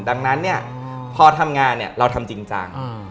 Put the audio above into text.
ดังนั้นพอทำงานเราทำจริงจัง